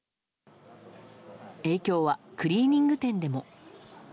影響はクリーニング店でも。